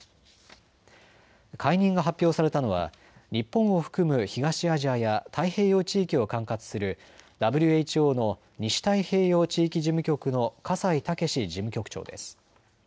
解任が発表されたのは日本を含む東アジアや太平洋地域を管轄するＷＨＯの西太平洋地域事務局の葛西健事務局長です。